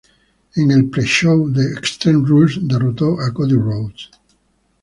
En el "Pre-Show" de "Extreme Rules" derrotó a Cody Rhodes.